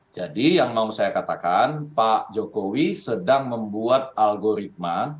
jadi yang mau saya katakan pak jokowi sedang membuat algoritma